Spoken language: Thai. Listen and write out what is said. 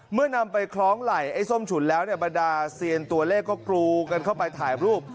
นำไปคล้องไหล่ไอ้ส้มฉุนแล้วเนี่ยบรรดาเซียนตัวเลขก็กรูกันเข้าไปถ่ายรูป